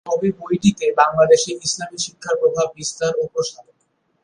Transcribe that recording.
তবে বইটিতে বাংলাদেশে ইসলামি শিক্ষার প্রভাব বিস্তার ও প্রসার।